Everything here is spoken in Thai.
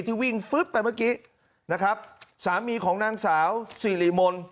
ที่วิ่งฟึ๊บไปเมื่อกี้นะครับสามีของนางสาวสิริมนต์